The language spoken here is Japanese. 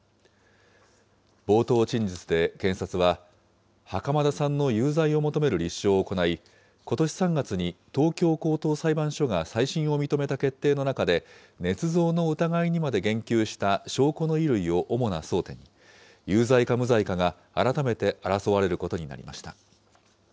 冒頭陳述で検察は、袴田さんの有罪を求める立証を行い、ことし３月に東京高等裁判所が再審を認めた決定の中で、ねつ造の疑いにまで言及した証拠の衣類を主な争点に、有罪か無罪かが改めて争われることになりました。